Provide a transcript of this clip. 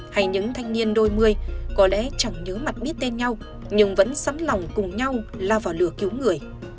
hay những thanh niên đôi mươi có lẽ chẳng nhớ mặt biết tên nhau nhưng vẫn sẵn lòng cùng nhau lao vào lửa cứu người